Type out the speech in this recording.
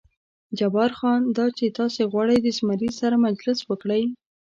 جبار خان: دا چې تاسې غواړئ د زمري سره مجلس وکړئ.